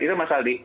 itu mas aldi